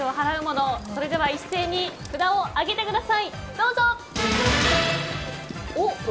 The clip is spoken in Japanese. では一斉に札を上げてください。